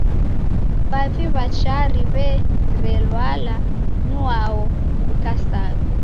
W'avi w'a Chari w'erelwala nwao w'ikasagha.